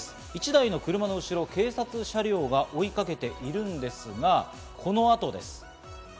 １台の車の後ろを警察車両が追いかけているんですが、この後です。